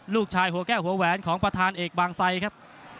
หัวแก้วหัวแหวนของประธานเอกบางไซครับ